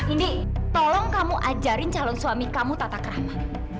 indi tolong kamu ajarin calon suami kamu tante krahma